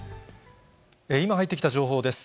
今入ってきた情報です。